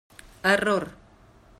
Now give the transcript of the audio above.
Error.